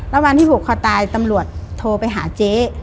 วันที่ผูกคอตายตำรวจโทรไปหาเจ๊